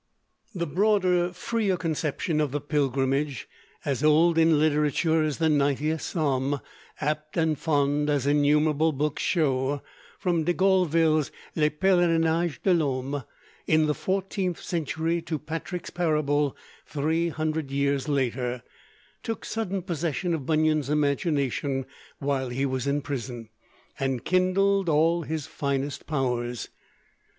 The broader, freer conception of the pilgrimage as old in literature as the ninetieth Psalm, apt and fond, as innumerable books show, from De Guileville's 'Le Pelerinage de l'Homme' in the fourteenth century to Patrick's 'Parable' three hundred years later took sudden possession of Bunyan's imagination while he was in prison, and kindled all his finest powers.